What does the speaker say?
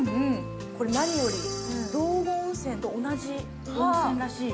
何より、道後温泉と同じ温泉らしいよ。